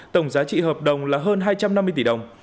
tổng giá trị hợp đồng là hơn hai trăm năm mươi tỷ đồng